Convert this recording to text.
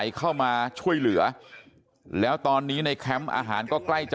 พวกมันกลับมาเมื่อเวลาที่สุดพวกมันกลับมาเมื่อเวลาที่สุด